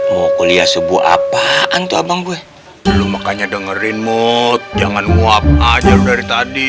mau kuliah subuh apaan tuh abang gue belum makanya dengerin mood jangan uap aja udah tadi